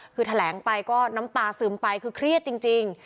คือแถลงไปก็น้ำตาซึมไปคือเครียดจริง